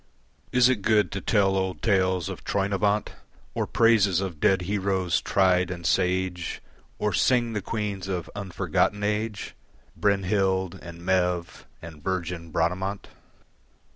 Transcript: Is it good to tell old tales of Troynovant Or praises of dead heroes, tried and sage, Or sing the queens of unforgotten age, Brynhild and Maeve and virgin Bradamant?